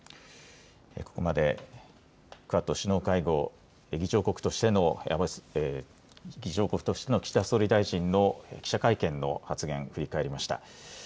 ここまでクアッド首脳会合、議長国としての岸田総理大臣の記者会見の発言、振り返りました。